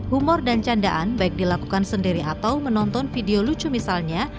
humor dan candaan baik dilakukan sendiri atau menonton video lucu misalnya